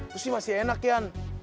lo sih masih enak ian